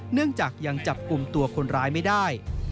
เนื่องจากยังจับกลุ่มตัวคนร้ายไม่ได้